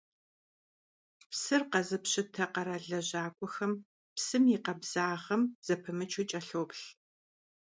Psır khezıpşıte kheral lejak'uexer psım yi khabzağem zedımıçu ç'elhoplh.